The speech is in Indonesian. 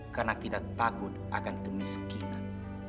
karena kita takut akan kemiskinan